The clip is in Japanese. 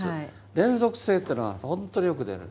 連続性というのがほんとによく出る。